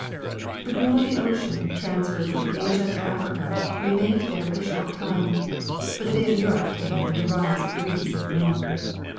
The rule of the ocean transferred from Asia to Africa remained there but a short time, for the day of Europe came with the rise of Greece and Rome.